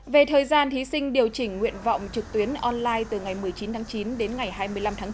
về thời gian thí sinh điều chỉnh nguyện vọng trực tuyến online từ ngày một mươi chín tháng chín đến ngày hai mươi năm tháng chín